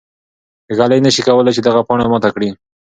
ږلۍ نه شي کولای چې دغه پاڼه ماته کړي.